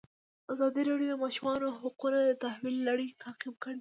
ازادي راډیو د د ماشومانو حقونه د تحول لړۍ تعقیب کړې.